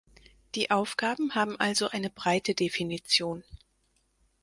Die Aufgaben haben also eine breite Definition.